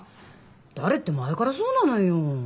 誰って前からそうなのよ。